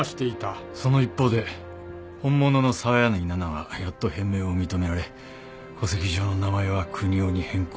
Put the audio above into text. その一方で本物の澤柳菜々はやっと変名を認められ戸籍上の名前は邦夫に変更。